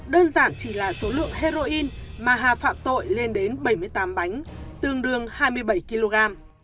đơn giản chỉ là số lượng heroin mà hà phạm tội lên đến bảy mươi tám bánh tương đương hai mươi bảy kg